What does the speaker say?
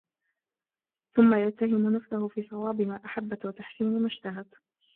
ثُمَّ يَتَّهِمُ نَفْسَهُ فِي صَوَابِ مَا أَحَبَّتْ وَتَحْسِينِ مَا اشْتَهَتْ